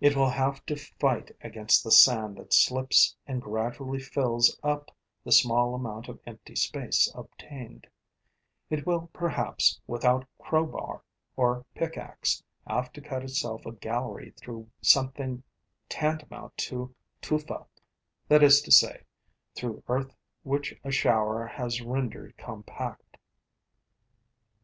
It will have to fight against the sand that slips and gradually fills up the small amount of empty space obtained; it will perhaps, without crowbar or pickaxe, have to cut itself a gallery through something tantamount to tufa, that is to say, through earth which a shower has rendered compact.